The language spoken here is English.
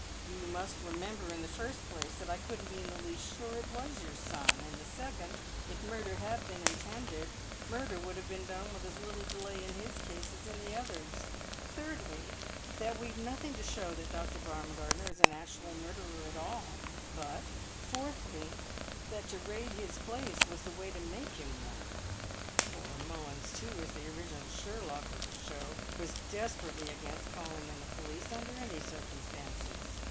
"You must remember in the first place that I couldn't be in the least sure it was your son; in the second, if murder had been intended, murder would have been done with as little delay in his case as in the others; thirdly, that we've nothing to show that Dr. Baumgartner is an actual murderer at all, but, fourthly, that to raid his place was the way to make him one. Poor Mullins, too, as the original Sherlock of the show, was desperately against calling in the police under any circumstances.